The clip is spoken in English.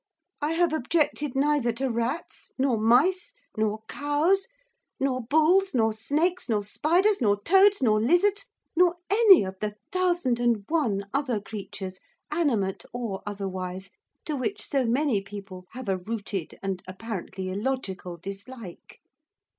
I have objected neither to rats nor mice, nor cows, nor bulls, nor snakes, nor spiders, nor toads, nor lizards, nor any of the thousand and one other creatures, animate or otherwise, to which so many people have a rooted, and, apparently, illogical dislike.